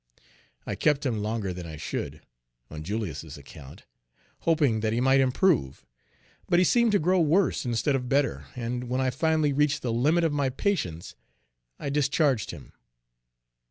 I kept him longer than I should, on Julius's account, hoping that he might improve; but he seemed to grow worse instead of better, and when I finally reached the limit of my patience, I discharged him.